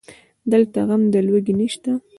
دلته غم د لوږې نشته